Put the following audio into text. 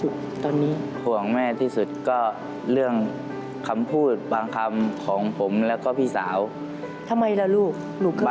ครับที่รักมากเกินครับ